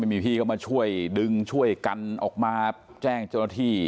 มีพี่ก็มาช่วยดึงช่วยกันออกมาแจ้งเจ้าหน้าที่